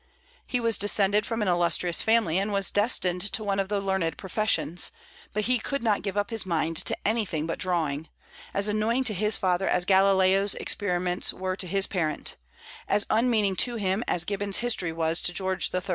He was descended from an illustrious family, and was destined to one of the learned professions; but he could not give up his mind to anything but drawing, as annoying to his father as Galileo's experiments were to his parent; as unmeaning to him as Gibbon's History was to George III.